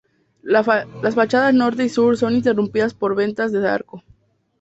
Las fachadas norte y sur son interrumpidas por ventanas de arco.